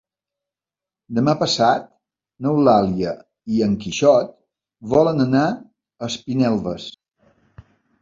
Demà passat n'Eulàlia i en Quixot volen anar a Espinelves.